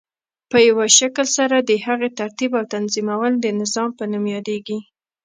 په یوه شکل سره د هغی ترتیب او تنظیمول د نظام په نوم یادیږی.